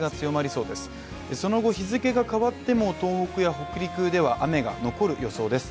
その後、日付が変わっても東北や北陸では雨が残る予想です。